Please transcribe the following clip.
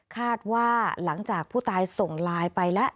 คาดว่าหลังจากผู้ตายส่งไลน์ไปแล้ว